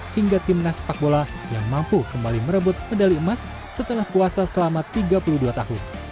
hingga timnas sepak bola yang mampu kembali merebut medali emas setelah puasa selama tiga puluh dua tahun